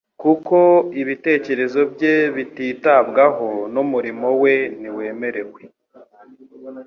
kuko ibitekerezo bye bititabwagaho n'umurimo we ntiwemerwe.